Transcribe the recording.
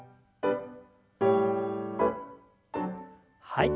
はい。